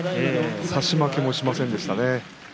差し負けもありませんでした。